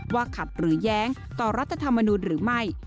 ว่าขับหรือย้างต่อรัฐธรรมนุษย์หรือไม่